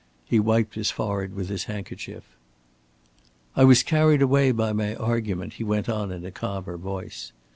He wiped his forehead with his handkerchief. "I was carried away by my argument," he went on in a calmer voice.